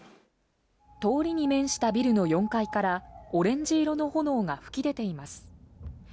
通りに面したビルの４階から、オレンジ色の炎が噴き出ています。